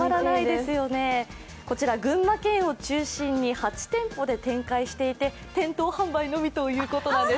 こちら群馬県を中心に８店舗で展開していて店頭販売のみということなんです。